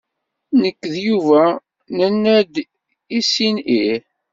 Nek d Yuba nenna-d i sin ih.